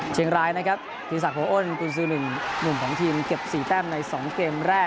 เชียงรายนะครับทีมสักโบอ้นคุณซื้อหนึ่งหนุ่มของทีมเก็บสี่แต้มในสองเกมแรก